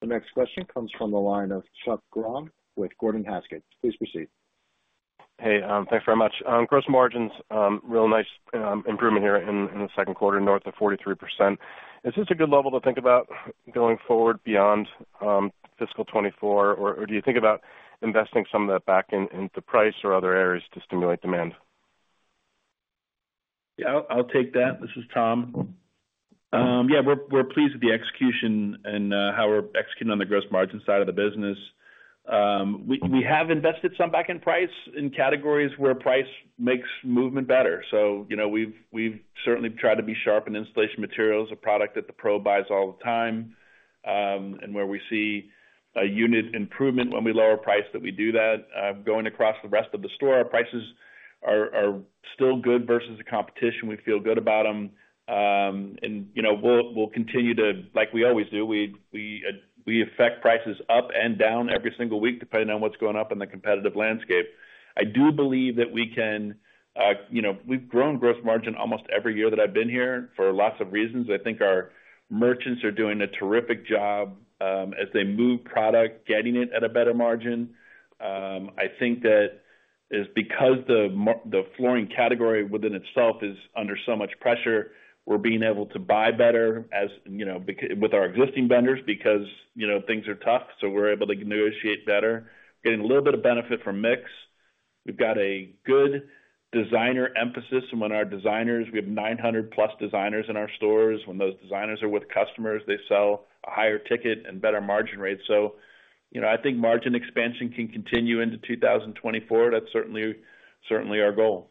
The next question comes from the line of Chuck Grom with Gordon Haskett. Please proceed. Hey, thanks very much. Gross margins, real nice improvement here in the second quarter, north of 43%. Is this a good level to think about going forward beyond fiscal 2024? Or do you think about investing some of that back in, into price or other areas to stimulate demand? Yeah, I'll, I'll take that. This is Tom. Yeah, we're, we're pleased with the execution and how we're executing on the gross margin side of the business. We, we have invested some back in price, in categories where price makes movement better. So, you know, we've, we've certainly tried to be sharp in installation materials, a product that the pro buys all the time, and where we see a unit improvement when we lower price, that we do that. Going across the rest of the store, our prices are, are still good versus the competition. We feel good about them. And, you know, we'll, we'll continue to, like we always do, we, we, we affect prices up and down every single week, depending on what's going up in the competitive landscape. I do believe that we can, you know, we've grown gross margin almost every year that I've been here for lots of reasons. I think our merchants are doing a terrific job, as they move product, getting it at a better margin. I think that it's because the flooring category within itself is under so much pressure, we're being able to buy better, as, you know, with our existing vendors because, you know, things are tough, so we're able to negotiate better. Getting a little bit of benefit from mix. We've got a good designer emphasis, and when our designers... We have 900+ designers in our stores. When those designers are with customers, they sell a higher ticket and better margin rate. So, you know, I think margin expansion can continue into 2024. That's certainly, certainly our goal.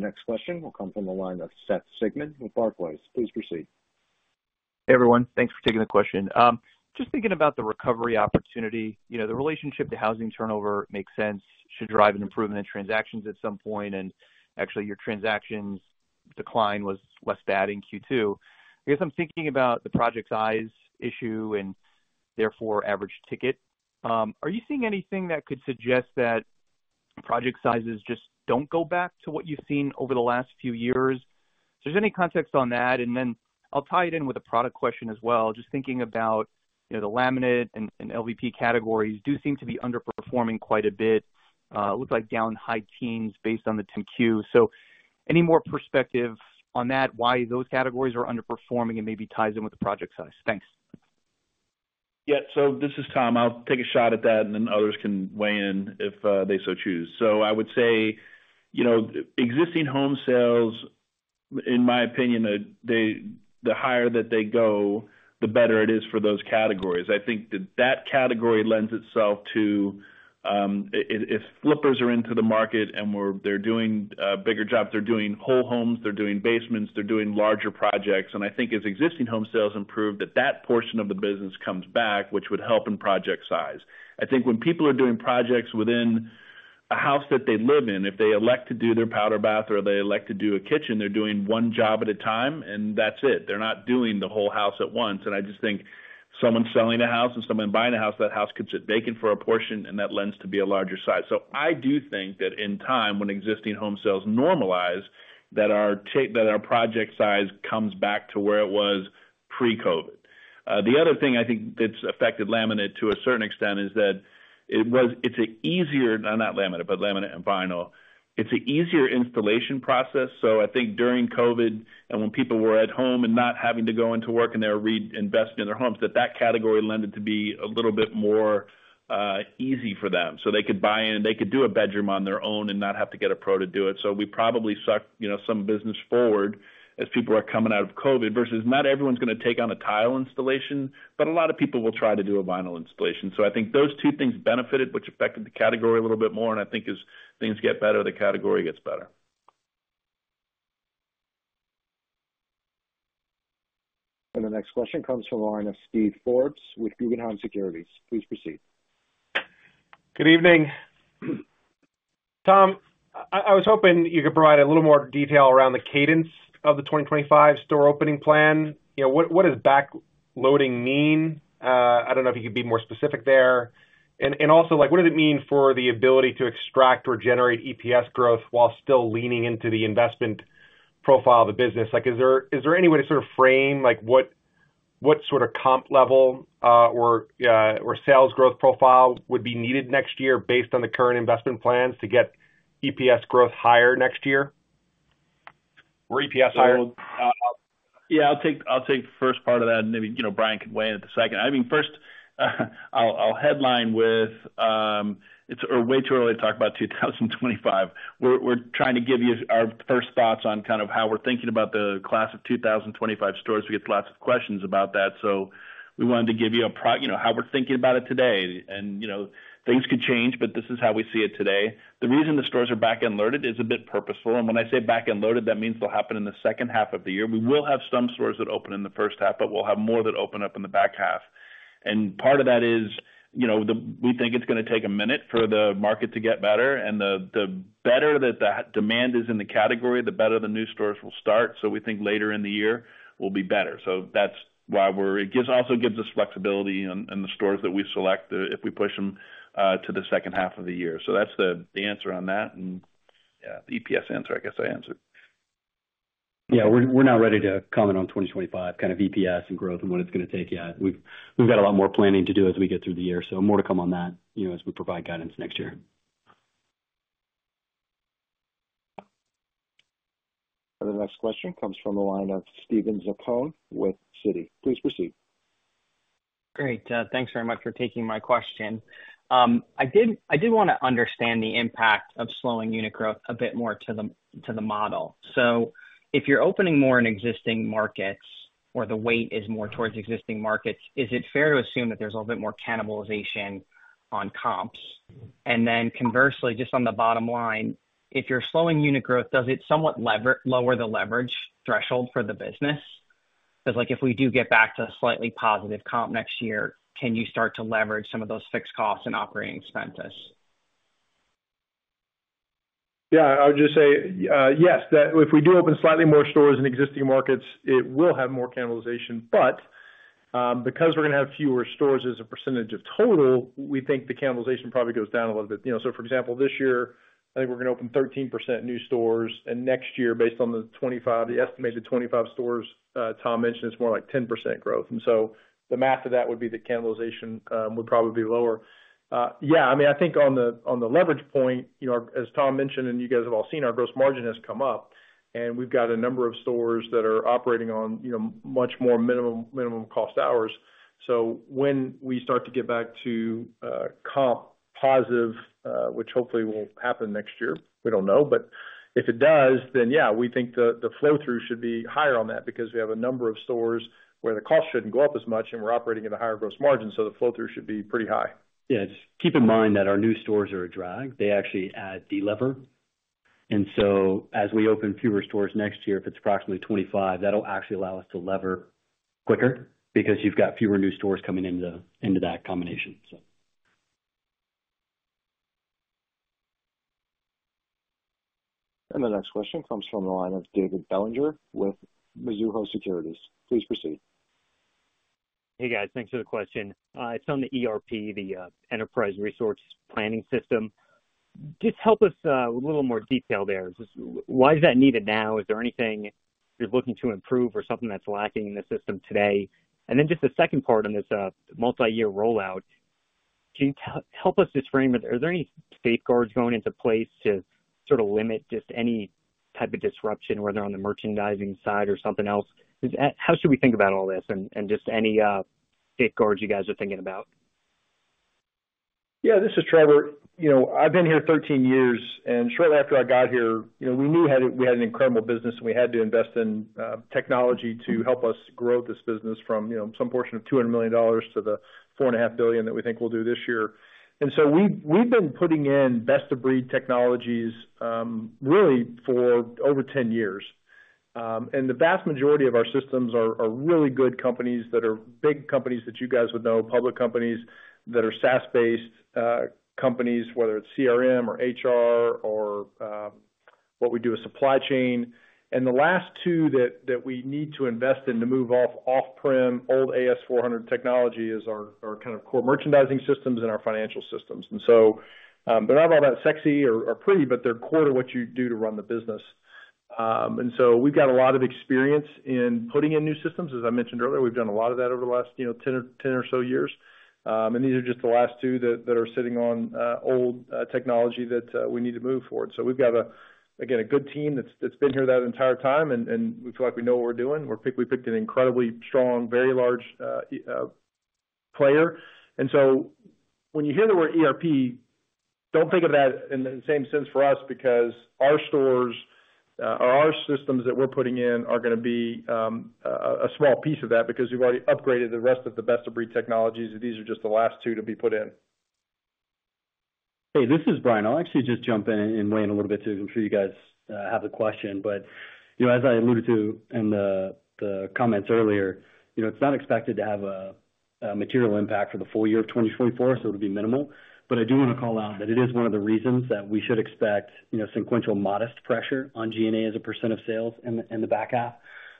The next question will come from the line of Seth Sigman with Barclays. Please proceed. Hey, everyone. Thanks for taking the question. Just thinking about the recovery opportunity, you know, the relationship to housing turnover makes sense, should drive an improvement in transactions at some point, and actually, your transactions decline was less bad in Q2. I guess I'm thinking about the project size issue and therefore, average ticket. Are you seeing anything that could suggest that project sizes just don't go back to what you've seen over the last few years? So just any context on that, and then I'll tie it in with a product question as well. Just thinking about, you know, the laminate and LVP categories do seem to be underperforming quite a bit. It looks like down high teens based on the 10-Q. So any more perspective on that, why those categories are underperforming and maybe ties in with the project size? Thanks. Yeah. So this is Tom. I'll take a shot at that, and then others can weigh in if they so choose. So I would say, you know, existing home sales, in my opinion, are they - the higher that they go, the better it is for those categories. I think that that category lends itself to, if flippers are into the market and they're doing bigger jobs, they're doing whole homes, they're doing basements, they're doing larger projects. And I think as existing home sales improve, that that portion of the business comes back, which would help in project size. I think when people are doing projects within a house that they live in, if they elect to do their powder bath or they elect to do a kitchen, they're doing one job at a time, and that's it. They're not doing the whole house at once. And I just think someone selling a house and someone buying a house, that house could sit vacant for a portion, and that lends to be a larger size. So I do think that in time, when existing home sales normalize, that our project size comes back to where it was pre-COVID. The other thing I think that's affected laminate to a certain extent is that it was. It's an easier, not laminate, but laminate and vinyl. It's an easier installation process, so I think during COVID and when people were at home and not having to go into work and they were reinvesting in their homes, that that category lended to be a little bit more easy for them. So they could buy in and they could do a bedroom on their own and not have to get a pro to do it. So we probably sucked, you know, some business forward as people are coming out of COVID, versus not everyone's gonna take on a tile installation, but a lot of people will try to do a vinyl installation. So I think those two things benefited, which affected the category a little bit more, and I think as things get better, the category gets better. The next question comes from the line of Steve Forbes with Guggenheim Securities. Please proceed. Good evening. Tom, I was hoping you could provide a little more detail around the cadence of the 2025 store opening plan. You know, what does backloading mean? I don't know if you could be more specific there. And also, like, what does it mean for the ability to extract or generate EPS growth while still leaning into the investment profile of the business? Like, is there any way to sort of frame, like, what sort of comp level or sales growth profile would be needed next year based on the current investment plans to get EPS growth higher next year or EPS higher? Yeah, I'll take, I'll take the first part of that, and maybe, you know, Bryan can weigh in at the second. I mean, first, I'll, I'll headline with, it's way too early to talk about 2025. We're, we're trying to give you our first thoughts on kind of how we're thinking about the class of 2025 stores. We get lots of questions about that, so we wanted to give you. You know, how we're thinking about it today. And, you know, things could change, but this is how we see it today. The reason the stores are back-end loaded is a bit purposeful, and when I say back-end loaded, that means they'll happen in the second half of the year. We will have some stores that open in the first half, but we'll have more that open up in the back half. And part of that is, you know, the, we think it's gonna take a minute for the market to get better, and the better that demand is in the category, the better the new stores will start. So we think later in the year will be better. So that's why we're. It also gives us flexibility in the stores that we select, if we push them to the second half of the year. So that's the answer on that. And, yeah, the EPS answer, I guess I answered. Yeah, we're, we're not ready to comment on 2025, kind of EPS and growth and what it's gonna take yet. We've, we've got a lot more planning to do as we get through the year, so more to come on that, you know, as we provide guidance next year. The next question comes from the line of Steven Zaccone with Citi. Please proceed. Great. Thanks very much for taking my question. I did want to understand the impact of slowing unit growth a bit more to the model. So if you're opening more in existing markets or the weight is more towards existing markets, is it fair to assume that there's a little bit more cannibalization on comps? And then conversely, just on the bottom line, if you're slowing unit growth, does it somewhat lower the leverage threshold for the business cause like if we do get back to slightly positive comp next year, can you start to leverage some of those fixed costs and operating expenses? Yeah, I would just say yes, that if we do open slightly more stores in existing markets, it will have more cannibalization. But because we're gonna have fewer stores as a percentage of total, we think the cannibalization probably goes down a little bit. You know, so, for example, this year, I think we're gonna open 13% new stores, and next year, based on the 25, the estimated 25 stores Tom mentioned, it's more like 10% growth. And so the math of that would be the cannibalization would probably be lower. Yeah, I mean, I think on the leverage point, you know, as Tom mentioned, and you guys have all seen, our gross margin has come up, and we've got a number of stores that are operating on, you know, much more minimum cost hours. So when we start to get back to comp positive, which hopefully will happen next year, we don't know, but if it does, then, yeah, we think the, the flow-through should be higher on that because we have a number of stores where the cost shouldn't go up as much, and we're operating at a higher gross margin, so the flow-through should be pretty high. Yes. Keep in mind that our new stores are a drag. They actually add delever. And so as we open fewer stores next year, if it's approximately 25, that'll actually allow us to lever quicker because you've got fewer new stores coming into that combination, so. The next question comes from the line of David Bellinger with Mizuho Securities. Please proceed. Hey, guys, thanks for the question. It's on the ERP, the enterprise resource planning system. Just help us a little more detail there. Just why is that needed now? Is there anything you're looking to improve or something that's lacking in the system today? And then just the second part on this multi-year rollout, can you help us just frame it, are there any safeguards going into place to sort of limit just any type of disruption, whether on the merchandising side or something else? How should we think about all this and just any safeguards you guys are thinking about? Yeah, this is Trevor. You know, I've been here 13 years, and shortly after I got here, you know, we had an incredible business, and we had to invest in technology to help us grow this business from, you know, some portion of $200 million to the $4.5 billion that we think we'll do this year. And so we've been putting in best-of-breed technologies, really for over 10 years. And the vast majority of our systems are really good companies that are big companies that you guys would know, public companies that are SaaS-based companies, whether it's CRM or HR or what we do with supply chain. And the last two that we need to invest in to move off-prem, old AS/400 technology is our kind of core merchandising systems and our financial systems. And so, they're not all that sexy or pretty, but they're core to what you do to run the business. And so we've got a lot of experience in putting in new systems. As I mentioned earlier, we've done a lot of that over the last, you know, 10 or so years. And these are just the last two that are sitting on old technology that we need to move forward. So we've got, again, a good team that's been here that entire time, and we feel like we know what we're doing. We picked an incredibly strong, very large player. When you hear the word ERP, don't think of that in the same sense for us, because our stores, or our systems that we're putting in are gonna be a small piece of that because we've already upgraded the rest of the best-of-breed technologies. These are just the last two to be put in. Hey, this is Bryan. I'll actually just jump in and weigh in a little bit, too, because I'm sure you guys have the question. But, you know, as I alluded to in the comments earlier, you know, it's not expected to have a material impact for the full year of 2024, so it'll be minimal. But I do want to call out that it is one of the reasons that we should expect, you know, sequential modest pressure on SG&A as a percent of sales in the back half.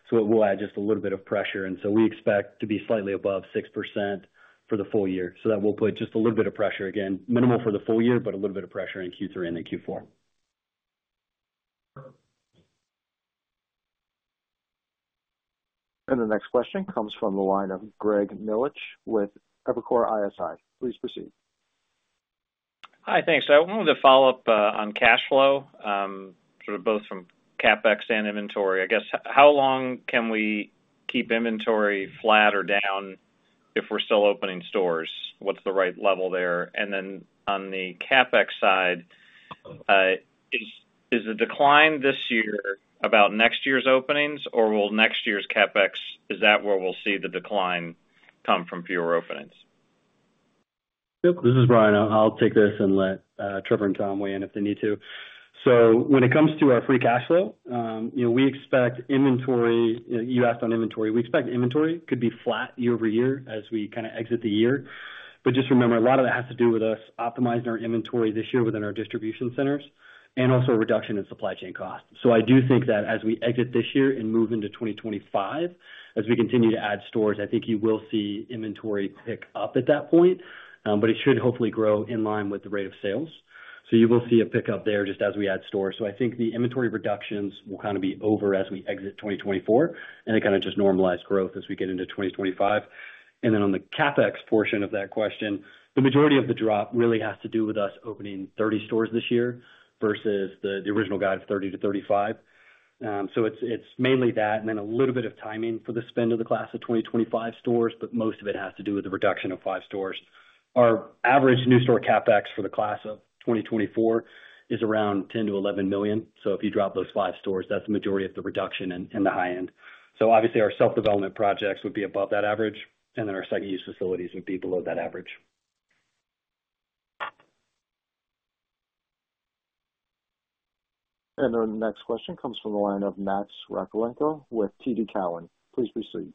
So it will add just a little bit of pressure, and so we expect to be slightly above 6% for the full year. So that will put just a little bit of pressure, again, minimal for the full year, but a little bit of pressure in Q3 and in Q4. The next question comes from the line of Greg Melich with Evercore ISI. Please proceed. Hi, thanks. So I wanted to follow up, on cash flow, sort of both from CapEx and inventory. I guess, how long can we keep inventory flat or down if we're still opening stores? What's the right level there? And then on the CapEx side, is, is the decline this year about next year's openings, or will next year's CapEx, is that where we'll see the decline come from fewer openings? Yep, this is Bryan. I'll take this and let Trevor and Tom weigh in if they need to. So when it comes to our free cash flow, you know, we expect inventory... You asked on inventory. We expect inventory could be flat year-over-year as we kinda exit the year. But just remember, a lot of that has to do with us optimizing our inventory this year within our distribution centers and also a reduction in supply chain costs. So I do think that as we exit this year and move into 2025, as we continue to add stores, I think you will see inventory pick up at that point, but it should hopefully grow in line with the rate of sales. So you will see a pickup there just as we add stores. So I think the inventory reductions will kind of be over as we exit 2024, and it kind of just normalized growth as we get into 2025. And then on the CapEx portion of that question, the majority of the drop really has to do with us opening 30 stores this year versus the original guide of 30-35. So it's mainly that, and then a little bit of timing for the spend of the class of 2025 stores, but most of it has to do with the reduction of five stores. Our average new store CapEx for the class of 2024 is around $10 million-$11 million. So if you drop those five stores, that's the majority of the reduction in the high end. So obviously, our self-development projects would be above that average, and then our site use facilities would be below that average. And our next question comes from the line of Max Rakhlenko with TD Cowen. Please proceed.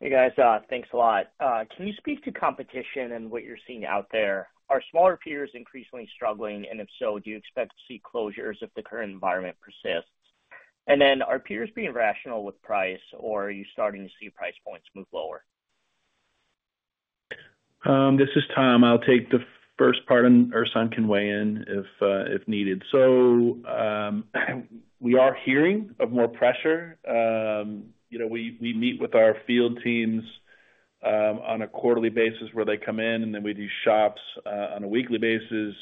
Hey, guys, thanks a lot. Can you speak to competition and what you're seeing out there? Are smaller peers increasingly struggling? And if so, do you expect to see closures if the current environment persists? And then, are peers being rational with price, or are you starting to see price points move lower? This is Tom. I'll take the first part, and Ersan can weigh in if needed. So, we are hearing of more pressure. You know, we meet with our field teams on a quarterly basis, where they come in, and then we do shops on a weekly basis.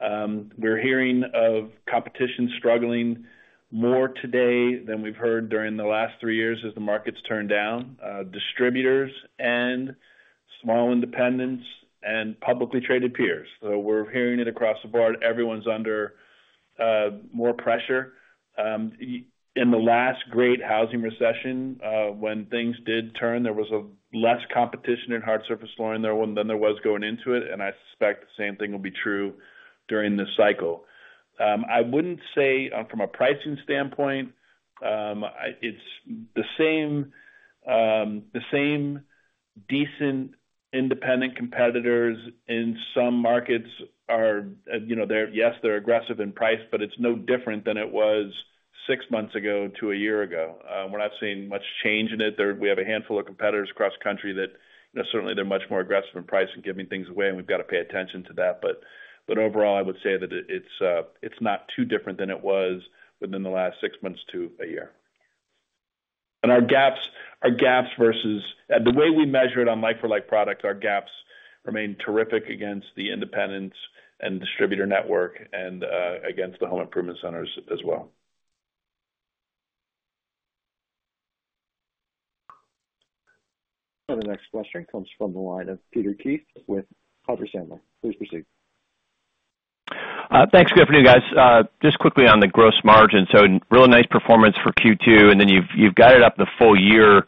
We're hearing of competition struggling more today than we've heard during the last three years as the market's turned down. Distributors and small independents and publicly traded peers. So we're hearing it across the board. Everyone's under more pressure. In the last great housing recession, when things did turn, there was less competition in hard surface flooring there than there was going into it, and I suspect the same thing will be true during this cycle. I wouldn't say, from a pricing standpoint, I... It's the same, the same decent independent competitors in some markets are, you know, they're—yes, they're aggressive in price, but it's no different than it was six months ago to a year ago. We're not seeing much change in it. There, we have a handful of competitors across country that, you know, certainly they're much more aggressive in price and giving things away, and we've got to pay attention to that. But, but overall, I would say that it's, it's not too different than it was within the last six months to a year. And our gaps, our gaps versus—The way we measure it on like-for-like products, our gaps remain terrific against the independents and distributor network and, against the home improvement centers as well. The next question comes from the line of Peter Keith with Piper Sandler. Please proceed. Thanks. Good afternoon, guys. Just quickly on the gross margin. So real nice performance for Q2, and then you've, you've guided up the full year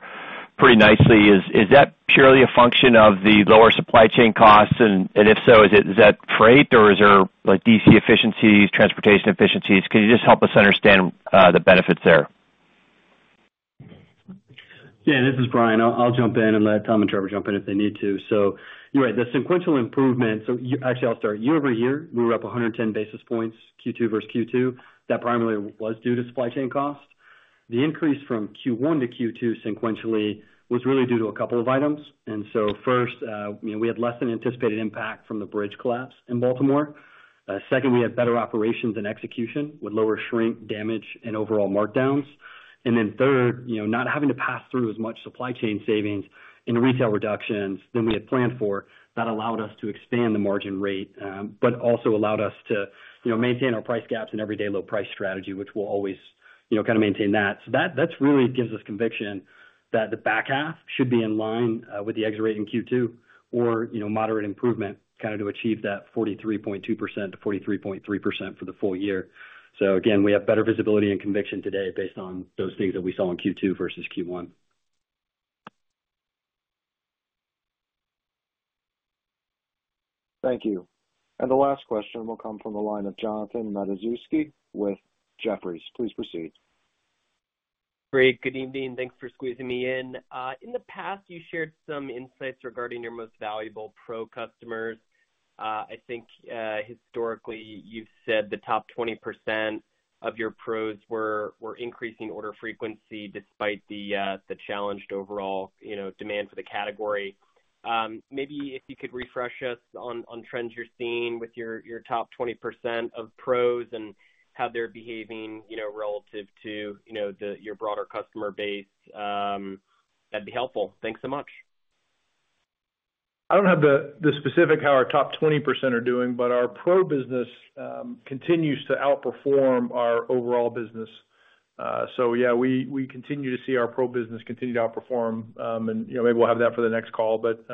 pretty nicely. Is, is that purely a function of the lower supply chain costs? And, and if so, is it- is that freight, or is there, like, DC efficiencies, transportation efficiencies? Can you just help us understand the benefits there? Yeah, this is Bryan. I'll, I'll jump in and let Tom and Trevor jump in if they need to. So you're right, the sequential improvement. So actually, I'll start. Year over year, we were up 110 basis points, Q2 versus Q2. That primarily was due to supply chain costs. The increase from Q1 to Q2 sequentially was really due to a couple of items. And so first, you know, we had less than anticipated impact from the bridge collapse in Baltimore. Second, we had better operations and execution with lower shrink, damage, and overall markdowns. And then third, you know, not having to pass through as much supply chain savings and retail reductions than we had planned for, that allowed us to expand the margin rate, but also allowed us to, you know, maintain our price gaps and everyday low price strategy, which will always, you know, kind of maintain that. So that, that's really gives us conviction that the back half should be in line with the exit rate in Q2, or, you know, moderate improvement, kind of to achieve that 43.2%-43.3% for the full year. So again, we have better visibility and conviction today based on those things that we saw in Q2 versus Q1. Thank you. The last question will come from the line of Jonathan Matuszewski with Jefferies. Please proceed. Great. Good evening, thanks for squeezing me in. In the past, you shared some insights regarding your most valuable pro customers. I think, historically, you've said the top 20% of your pros were increasing order frequency despite the challenged overall, you know, demand for the category. Maybe if you could refresh us on trends you're seeing with your top 20% of pros and how they're behaving, you know, relative to, you know, the, your broader customer base, that'd be helpful. Thanks so much. I don't have the specific how our top 20% are doing, but our pro business continues to outperform our overall business. So yeah, we continue to see our pro business continue to outperform, and you know, maybe we'll have that for the next call. But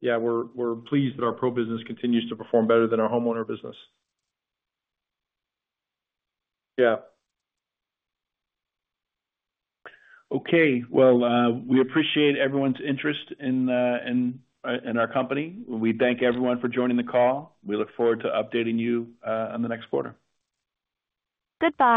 yeah, we're pleased that our pro business continues to perform better than our homeowner business. Yeah. Okay. Well, we appreciate everyone's interest in our company. We thank everyone for joining the call. We look forward to updating you on the next quarter.